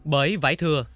bởi vải thưa